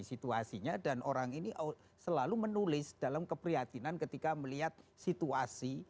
situasinya dan orang ini selalu menulis dalam keprihatinan ketika melihat situasi